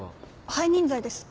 背任罪です。